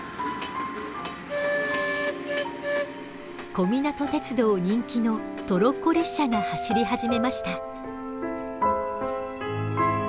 小湊鉄道人気のトロッコ列車が走り始めました。